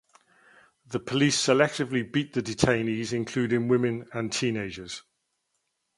The police selectively beat the detainees including women and teenagers.